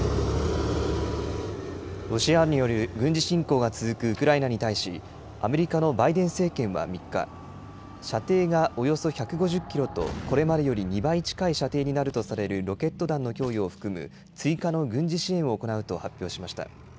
ロシアによる軍事侵攻が続くウクライナに対し、アメリカのバイデン政権は３日、射程がおよそ１５０キロと、これまでより２倍近い射程になるとされるロケット弾の供与を含む追加の軍事支援を行うと発表しました。